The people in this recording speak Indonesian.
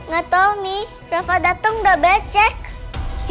gak tau mi rafa dateng udah becek